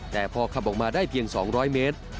แต่พอขับออกมาได้เพียง๒๐๐เมตร